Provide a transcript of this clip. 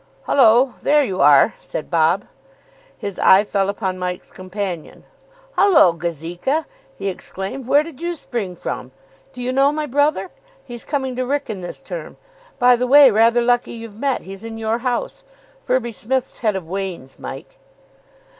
"Hullo, there you are," said Bob. His eye fell upon Mike's companion. "Hullo, Gazeka!" he exclaimed. "Where did you spring from? Do you know my brother? He's coming to Wrykyn this term. By the way, rather lucky you've met. He's in your house. Firby Smith's head of Wain's, Mike."